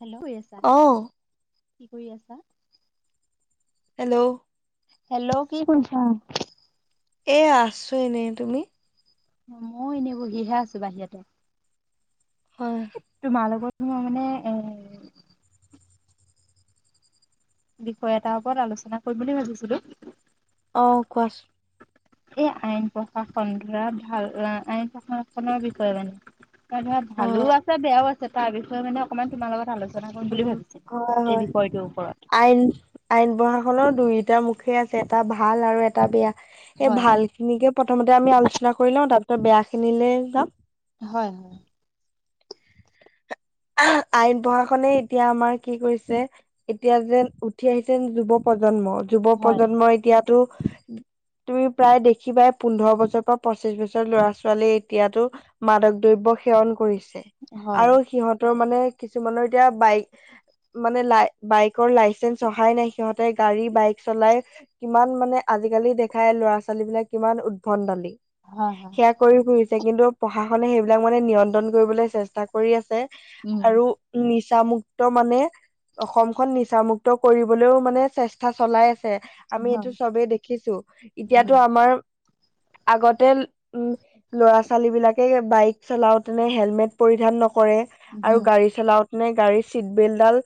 Hello অ কি কৰি আছা? হেল্ল' হেল্ল' কি কৰিছা? এ আছো এনেই তুমি? মইও এনেই বহিহে আছো বাহিৰতে। হয় এ তোমাৰ লগত মই মানে এ বিষয় এটাৰ ওপৰত আলোচনা কৰিম বুলি ভাবিছিলো। অ', কোৱা। এই আইন প্ৰশাসন ভাল আইন প্ৰশাসনৰ বিষয়ে মানে। ধৰা অ ভালো আছে বেয়াও আছে তাৰ মানে অকমান তোমাৰ লগত আলোচনা কৰিম বুলি উম ভাবিছিলো হয় এই হয় বিষয়টোৰ ওপৰত। এখনৰো দুইটা মুখে আছে এটা ভাল আৰু এটা বেয়া। এই হয় ভাল খিনিকে প্ৰথমতে আমি আলোচনা কৰি লওঁ তাৰপিছত বেয়াখিনিলে যাম। হয়, হয়। [inaudible] আইন প্ৰশাসনে এতিয়া আমাৰ কি কৰিছে এতিয়া যেন উঠি আহিছেন যুৱ প্ৰজন্মত। যুৱ হয় প্ৰজন্মই এতিয়াতো তুমি প্ৰায় দেখিবা পোন্ধৰ বছৰ পৰা পঁচিশ বছৰ ল'ৰা ছোৱালী এতিয়াতো মাদক দ্ৰব্য সেৱন কৰিছে হয় আৰু সিহঁতৰ মানে কিছুমানৰ এতিয়া বাইক মানে লাই বাইকৰ লাইচেন্স অহাই নাই সিহঁতে গাড়ী বাইক চলাই কিমান মানে আজিকালি দেখাই ল'ৰা ছোৱালীবিলাক কিমান উদভণ্ডালী। হয় হয় সেয়া কৰি ফুৰিছে। কিন্তু প্ৰশাসনে সেইবিলাক মানে নিয়ন্ত্ৰণ কৰিবলৈ চেষ্টা কৰি আছে। উম আৰু নি নিচামুক্ত মানে অসমখন নিচামুক্ত কৰিবলৈও মানে চেষ্টা চলাই আছে। আমি হয় এইটো চবেই দেখিছো এতিয়াতো উম আমাৰ [inaudible] আগতে উম ল'ৰা ছোৱালীবিলাকে বাইক চলাওঁতেনে হেলমেট পৰিধান নকৰে। আৰু উম গাড়ী চলাওঁতে নে গাড়ীৰ চিট বেল্টডাল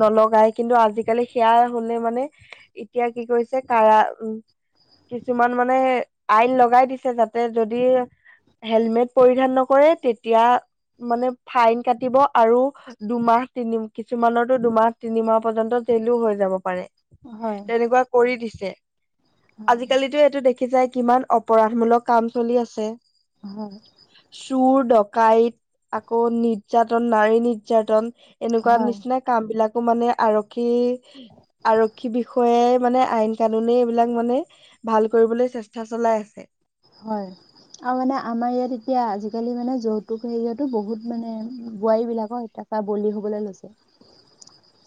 নলগায়। কিন্তু আজিকালি সেয়া শুনে মানে এতিয়া কি কৰিছে কাৰা উম। কিছুমান মানে আইন লগাই দিছে যাতে যদি হেলমেট পৰিধান নকৰে তেতিয়া মানে ফাইন কাটিব আৰু দুমাহ তিনি কিছুমানৰতো দুমাহ তিনিমাহ পৰ্যন্ত জেলও হৈ যাব পাৰে। হয় তেনেকুৱা কৰি দিছে। হয় আজিকালিতো এইটো দেখিছায়ে কিমান অপৰাধমূলক কাম চলি আছে। হয় চুৰ ডকাইত আকৌ নি তন নাৰী নিৰ্যাতন এনেকুৱা হয় নিচিনা কামবিলাকো মানে আৰক্ষী আৰক্ষী বিষয়াই মানে আইন কানুনে এইবিলাক মানে ভাল কৰিবলৈ চেষ্টা চলাই আছে। হয়। আৰু মানে আমাৰ ইয়াত এতিয়া আজিকালি মানে যৌতুক হেৰিয়তো বহুত মানে বোৱাৰীবিলাকৰ এতিয়া তাৰ বলি হ'বলৈ লৈছে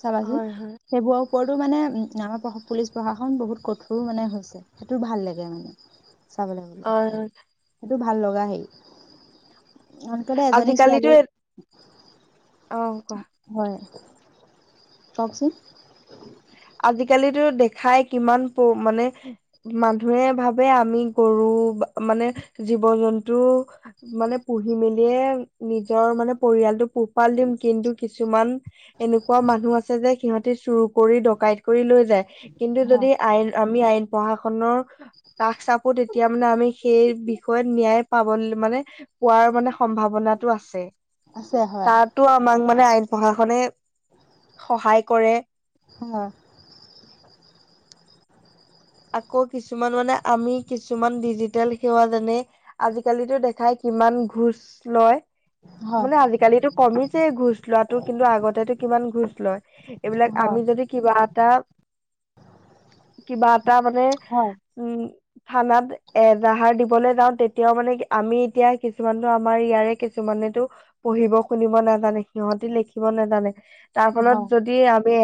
চাবাচোন। হয় হয় সেইবোৰ ওপৰতটো মানে আমাৰ পুলিচ প্ৰশাসন বহুত কঠোৰ মানে হৈছে সেইটো ভাল লাগে মানে। চাবলে অ সেইটো ভাল লগা হেই। আনকালে এজানী আজিকালিতো ছোৱালী অ', কোৱা। কওঁকচোন। আজিকালিতো দেখাই কিমান মানে মানুহে ভাবে আমি গৰু মানে জীৱ জন্তু মানে পঢ়ি মেলিয়ে নিজৰ মানে পৰিয়ালটোক পোহপাল দিম। কিন্তু কিছুমান এনেকুৱা মানুহ আছে যে সিহঁতে চুৰ কৰি কাইড কৰি লৈ যায়। কিন্তু হয় যদি আমি আইন প্ৰশাসনৰ কাষ চাপো এতিয়া মানে আমি সেই বিষয়ত ন্যায় পাব মানে পোৱাৰ মানে সম্ভাৱনাটো আছে। আছে হয় তাতো আমাক মানে মানে আইন প্ৰশাসনে সহায় কৰে। হয়। আকৌ কিছুমান মানে আমি কিছুমান ডিজিটেল সেৱা যোননে আজিকালিতো দেখাই কিমান ঘোঁচ লয়। [inaudible] মানে আজিকালিতটো কমিছে ঘোচ লোৱাটো কিন্তু আগতেটো কিমান ঘোচ লয় এইবিলাক হয় আমি যদি কিবা এটা, কিবা এটা মানে, হয় উম। থানাত এজাহাৰ দিবলৈ যাও, তেতিয়াও মানে আমি এতিয়া কিছুমানতো আমাৰ ইয়াৰে কিছুমান। মানো পঢ়িব, শুনিব নাজানে সিহঁতি লিখিব নাজানে, তাৰ ফলত হয় যদি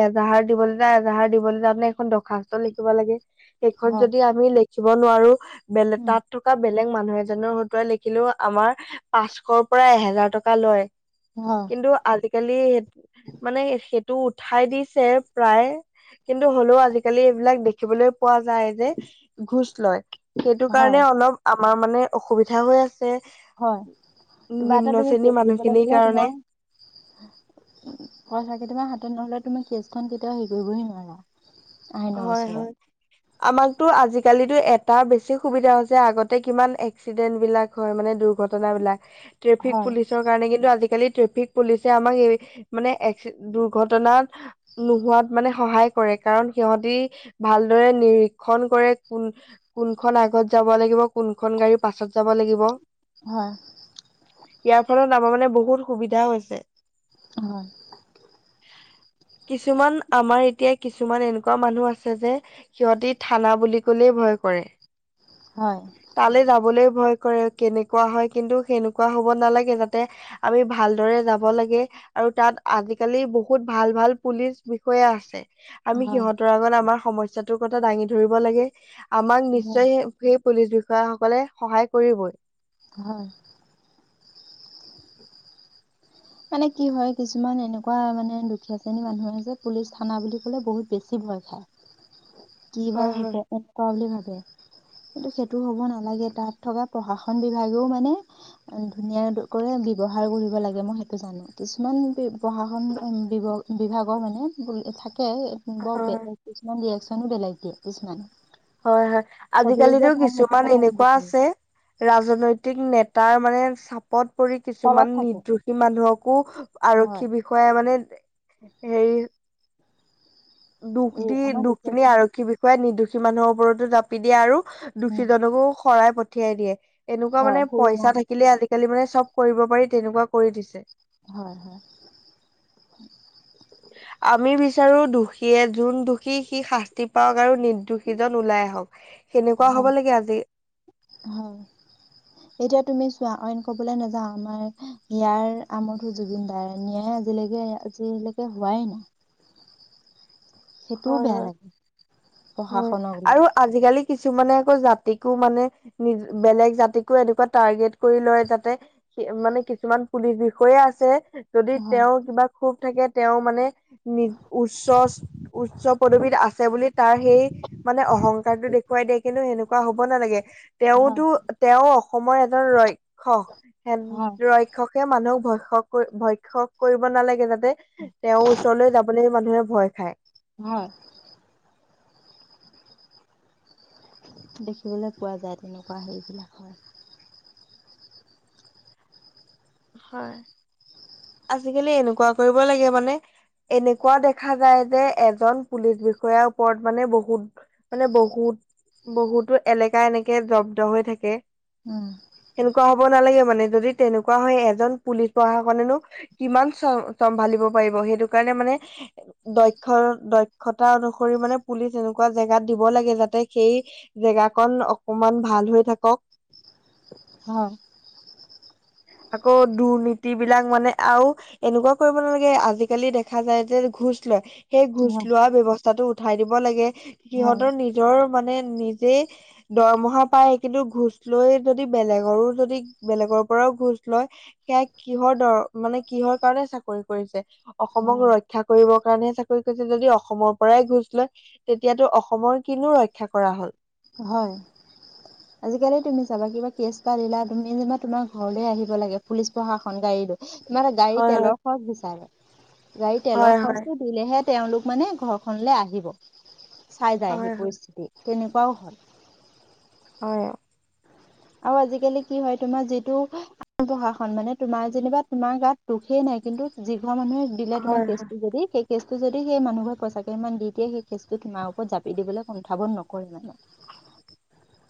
এজাহাৰ দিবলৈ যা এজাহাৰ দিবলৈ যা, তানে এখন দৰ্খাস্ত লিখিব লাগে সেইখন হয় যদি আমি ল লিখিব নোৱাৰো বেলে উম তাত থকা বেলে বেলেগ মানুহ এজনৰ সতাই লিখিলো আমাৰ পাঁচশৰ পৰা এহেজাৰ টকা লয়। হয় কিন্তু আজিকালি স, মানে, সেইটো উঠাই দিছে, প্ৰায় কিন্তু হ'লেও আজিকালি এইবিলাক দেখিবলৈ পোৱা যায় যে, ঘোচ লয়, সেইটো হয় কাৰণে অলপ আমাৰ মানে অসুবিধা হৈ আছে। হয়, কিবা এটা নিম্ন তুমি কে শ্ৰেণীৰ দিব মানুহখিনিৰ লাগলে, কাৰণে তোমাৰ খৰচা তমাৰ হাত তেনেহলে তুমি কেছখন কেতিয়াও হেৰিহি নোৱাৰা আহি ন, হয় ওচৰত হয় আমাকতো আজিকালিতো এটা বেছি সুবিধা হৈছে, আগতে কিমান এক্সিডেন্ট বিলাক হয় মানে দুৰ্ঘটনা। ঘটাবলাক ট্ৰেফিক হয়, পুলিচৰ কাৰণে কিন্তু আজি আজালি ট্ৰেফিক পুলিচ আমাক এই মানে দুৰ্ঘটনা নোহোৱাত মানে সহায় কৰে, কাৰণ সিহতি ভালদৰে নিৰীক্ষণ কৰে। কোন, কোনখন আগত যাব লাগিব কোনখন গাড়ী পাছত যাব লাগিব। হয়, ইয়াৰ ফলত আমাৰ মানে বহুত সুবিধা হৈছে। অ'। কিছুমান আমাৰ এতিয়া কিছুমান এনেকুৱা এনেকুৱা মানুহ আছে যে, সিহঁতি থানা বুলি কলেই ভয় কৰে। হয়, তালে যাবলৈ ভয় কৰে, কেনেকুৱা হয়, কিন্তু সেনেকুৱা হ'ব নালাগে, যাতে আমি ভালদৰে যাব লাগে। আৰু তাত আজিকালি বহুত ভাল, ভাল পুলিচ বিষয়াে আছে। আমি হয়, সিহঁতৰ আগত আমাৰ [unintelligible] কথা দাঙি ধৰিব লাগে। আমাক হয়, নিশ্চয় সেই পুলিচ বিষয়াসকলে সহায় কৰিবই। হয়। মানে কি হয়, কিছুমান এনেকুৱা মানে দুখীয়া শ্ৰেণী মানুহে যে, পুলিচ থানা বুলি ক'লে বহুত বেছি কি বা হয় হ'ব হয় এনেকোৱা বুলি ভাবে। কিন্তু সেইটো হ'ব নালাগে, তাত থকা প্ৰশাসন বিভাগেও মানে ধুনীয়া কৰে। ব্যৱহাৰ কৰিব লাগে মই। জানো কিছুমান প্ৰশাসন বিভাগ, বিভাগৰ মানে থ বৰ, হয় কিছুমান ৰিয়েকচনো বেলেগ দিয়ে কিছুমান হয়, হয়, চবেই যে আজিকালিতো ভাল সেইটো কিছুমান ক'ব এনেকুৱা নিবিচাৰে আছে ৰাজনৈতিক নেতা তাৰ মানে চাপ [unintelligible] পৰি তলত কিছুমান থাকে নিৰ্দ্ৰোষী মানুহকো হয় আৰক্ষী বিষয়াই মানে সেই দুখ, এই দি, আমাৰ দুখীয়া দুখখিনি জনী আৰক্ষী বিষয় নিৰ্দোষী মানুহৰ ওপৰতো জাপি দিয়ে আৰু। উম দুষীজনকো শৰাই পঠিয়াই দিয়ে, এনেকুৱা হয় মানে সুৰুঙা পইচা থাকিলে আজাল আজিকালি মানে চব কৰিব পাৰি, তেনেকুৱা কৰি দিছে। হয়, হয়। আমি বিচাৰো দোষীয়ে, যোন দোষী সি শাস্তি পাও। আৰু নিৰ্দোষীজন ওলাই আহক সেনেকুৱা হয় হ'ব লাগে আজি। হয়। এতিয়া তুমি চোৱা অইন কবলৈ নাযাও আমাৰ [unintelligible] আমৰঠো জুবিন দাৰ নিয়াই আজিলৈকে। আজিলৈকে হোৱাই নাই। সেইটোও হয় বেয়া হয়, লাগে হয় প্ৰশাসনক আৰু লৈ আজিকালি কিছুমানে আকৌ জাতিকো মানে নি- বেলেগ জাতিকো এনেকুৱা টাৰ্গেট কৰি লয় যাতে। [unintelligible] মানে কিছুমান পুলিচ বিষয়া আছে। যদি হয় তেওঁৰ কিবা খুব থাকে তেওঁ মানে নি উচ্চ উচ্চ পদবীত আছে বুলি তাৰ সেই মানে অহংকাৰটো দেখুৱাই দিয়ে কিন্তু সেনেকুৱা হ'ব নালাগে। হয় তেওঁতো তেওঁ অসমৰ এজন ৰক্ষক হেন হয় ৰক্ষকে মানুহ। ভয়ক্ষক ভৈক্ষক কৰিব নালাগে যাতে, তেওঁৰ ওচৰলৈ যাবলৈ মানুহে ভয় খায়। হয়। দেখিবলৈ পোৱা যায় তেনেকুৱা সেইবিলাক হয়। হয়, আজিকালি এনেকুৱা কৰিব লাগে মানে এনেকুৱা দেখা যায় যে এজন পুলিচ বিষয়াৰ ওপৰত মানে বহুত, মানে বহুত বহুতো এলেকা এনেকে জব্দ হৈ থাকে। উম। সেনেকুৱা হ'ব নালাগে মানে যদি তেনেকু কোৱা হয় এজন পুলিচ প্ৰশাসনেনো কিমান চ চম্ভালিব পাৰিব সেইটো কাৰণে মানে দক্ষ দক্ষতা অনুসৰি মানে পুলিচ এনেকুৱা জেগাত দিব লাগে যাতে সেই জেগাকন অকমান ভাল হৈ থাকক। হয়। আকৌ দুৰ্নীতি বিলাক মানে আৰু এনেকুৱা কৰিব নালাগে আজিকালি দেখা যায় যে ঘোচ লয় সেই ঘোচ হয় লোৱা ব্যৱস্থাটো উঠাই দিব লাগে হয় সিহঁতৰ নিজৰ মানে নিজে দৰমহা পাই কিন্তু ঘোচ লৈ যদি বেলেগৰো যদি বেলেগৰ পৰাও ঘোচ লয় সেয়াই কিহৰ দৰ মানে কিহৰ কাৰণে চাকৰি কৰিছে। অসমক হয় ৰক্ষা কৰিব কাৰণেহে চাকৰি কৰিছে যদি অসমৰ পৰাই ঘোচ লয় তেতিয়াটো অসমৰ কিনো ৰক্ষা কৰা হ'ল। হয়। আজিকালি তুমি চাবা কিবা কেচ এটা দিলা তুমি মানে তোমাৰ ঘৰলে আহিব লাগে পুলিচ প্ৰশাসন গাড়ী লয়। সিহঁতে গাড়ীৰ হয় তেলৰ খৰচ বিচাৰে। গাড়ী তেলৰ হয় হয় খৰচটো দিলেহে তেওঁলোক মানে ঘৰখনলে আহিব। চাই যায় হি হয় পৰিস্থিতি তেনেকুৱাও হয়। হয় হয় আৰু আজিকালি কি হয় তোমাৰ যিটো [unintelligible] প্ৰশাসন মানে তোমাৰ যেনিবা তোমাৰ গাত দুখেই নাই। কিন্তু যি ঘৰ মানুহে দিলে হয় তোমাৰ হয় কেছটো যদি সেই কেচটো যদি সেই মানুহ ঘৰে পইচা কেইটামান দি দিয়ে সেই কেচটো তোমাৰ ওপৰত জাপি দিবলৈ কুণ্ঠাবোধ নকৰে মানে।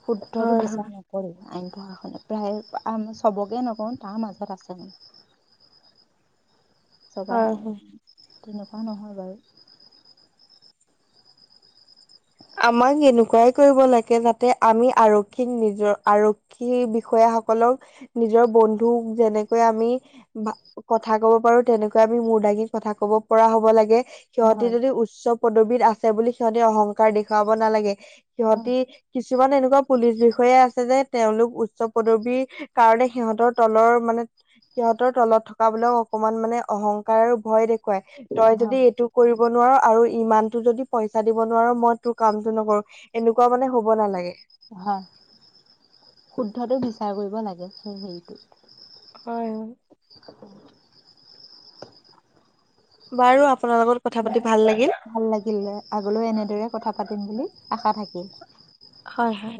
শুদ্ধটো হয় হয় বিচাৰা নাই। আইন প্ৰশাসনে প্ৰায় [unintelligible] চবকে নকওঁ তাৰ মাজত আছে। চবাই হয় হয় তেনেকুৱা নহয় বাৰু। আমাক এনেকুৱাই কৰিব লাগে যাতে আমি আৰক্ষীক নিজৰ আৰক্ষী বিষয়া সকলক নিজৰ বন্ধু যেনেকৈ আমি ভা কথা ক'ব পাৰো তেনেকৈ আমি মূৰ দাগি কথা ক'ব পৰা হ'ব লাগে। সিহঁতি হয়, যদি উচ্চ পদবীত আছে বুলি সিহঁতে অহংকাৰ দেখুৱাব নালাগে। হয়, সিঁহতি কিছুমান এনেকুৱা পুলিচ বিষয়া আছে যে তেওঁলোক উচ্চ পদবীৰ কাৰণে সিহঁতৰ তলৰ মানে সিহঁতৰ তলত থকা বোলাক অকমান মানে অহংকাৰ আৰু ভয় দেখ [unintelligible] তই যদি হয়, এইটো কৰিব নোৱাৰো আৰু ইমানটো যদি পইচা দিব নোৱাৰো মই তোৰ কামটো নকৰো এনেকুৱা মানে হ'ব নালাগে। হয়, শুদ্ধটো বিচাৰ কৰিব লাগে হেৰিটো। হয়। [inaudible] বাৰু আপোনালোকৰ [inaudible] ভাল লাগিল আগলৈও এনেদৰে কথা পাতিম বুলি আশা থাক হয়, হয়